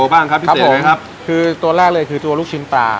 บ้างครับพี่ฝนครับคือตัวแรกเลยคือตัวลูกชิ้นปลา